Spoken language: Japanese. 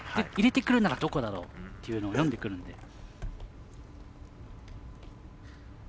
入れてくるならどこだろうというのを読んでくるので。